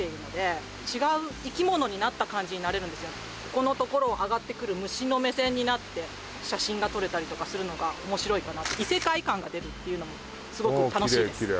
ここのところを上ってくる虫の目線になって写真が撮れたりとかするのが面白いかなって異世界感が出るっていうのもすごく楽しいです